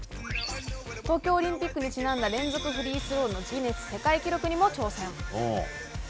東京オリンピックにちなんだ連続フリースローのギネス世界記録にも挑戦。